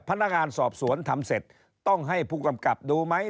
พนักงานสอบสวนทำเสร็จต้องให้ผู้กำกับดูไหม